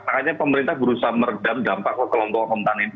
makanya pemerintah berusaha meredam dampak kelompok rentan ini